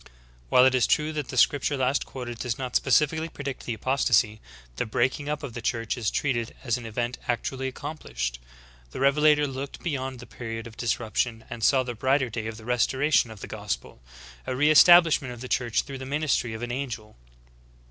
"^' 36. While it is true that the scripture last quoted does not specifically predict the apostasy, the breaking up of the Church is treated as an event actually accomplished. The Revelator looked beyond the period of disruption and saw the brighter day of the restoration of the gospel — a re establishment of the Church through the ministry of an angel.